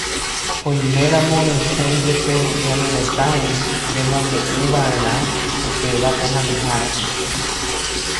Oiméramo resẽjepe ñane retãgui, remombe'uva'erã upéva pohãnohárape